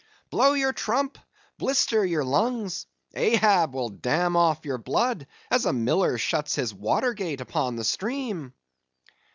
blow your trump—blister your lungs!—Ahab will dam off your blood, as a miller shuts his watergate upon the stream!"